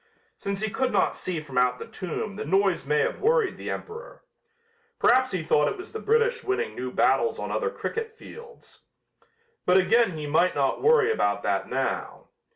Since he could not see from out the tomb the noise may have worried the emperor. Perhaps he thought it was the British winning new battles on other cricket fields. But again he might not worry about that now.